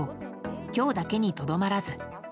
今日だけにとどまらず。